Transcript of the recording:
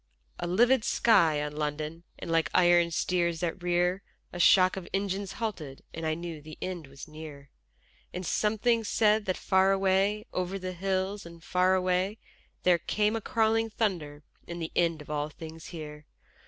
_ A livid sky on London And like iron steeds that rear A shock of engines halted, And I knew the end was near: And something said that far away, over the hills and far away, There came a crawling thunder and the end of all things here.